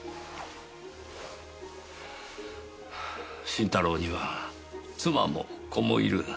新太郎には妻も子もいる。